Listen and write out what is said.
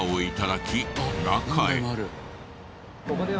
ここでは。